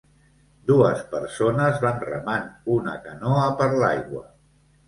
Dues persones van remant una canoa per l'aigua.